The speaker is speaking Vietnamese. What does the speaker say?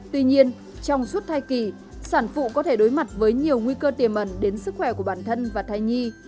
tuy nhiên trong suốt thai kỳ sản phụ có thể đối mặt với nhiều nguy cơ tiềm ẩn đến sức khỏe của bản thân và thai nhi